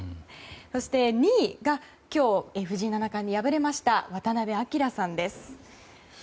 そして、２位が今日、藤井七冠に敗れました渡辺明さんです。